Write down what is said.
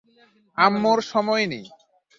আম্মুর সময় নেই।